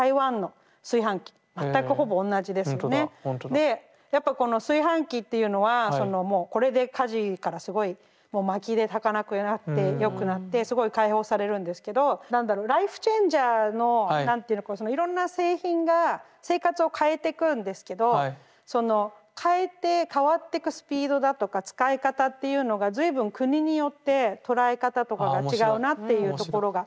でやっぱこの炊飯器っていうのはそのもうこれで家事からすごいもうまきで炊かなくなってよくなってすごい解放されるんですけど何だろうライフ・チェンジャーの何ていうのかそのいろんな製品が生活を変えていくんですけどその変えて変わってくスピードだとか使い方っていうのが随分国によって捉え方とかが違うなっていうところが。